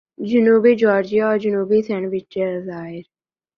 جنوبی جارجیا اور جنوبی سینڈوچ جزائر